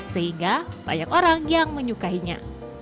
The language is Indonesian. sehingga banyak orang yang menyukainya